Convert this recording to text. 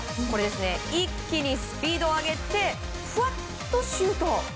これ、一気にスピードを上げてふわっとシュート。